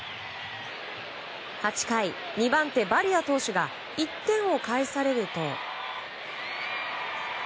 ８回、２番手バリア投手が１点を返されると。